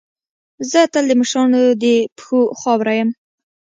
زه تل د مشرانو د پښو خاوره یم.